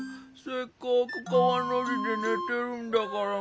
せっかくかわのじでねてるんだから。